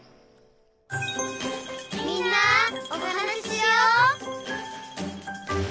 「みんなおはなししよう」